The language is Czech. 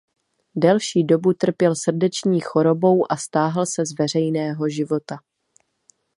Delší dobu trpěl srdeční chorobou a stáhl se z veřejného života.